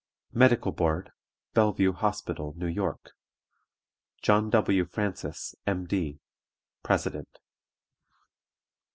Medical Board, Bellevue Hospital, New York: JOHN W. FRANCIS, M.D., President.